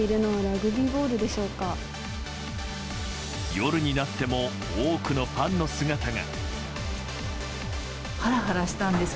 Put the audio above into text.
夜になっても多くのファンの姿が。